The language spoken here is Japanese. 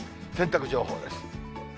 洗濯情報です。